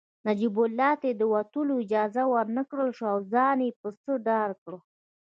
نجیب الله ته د وتلو اجازه ورنکړل شوه او ځان يې په دار کړ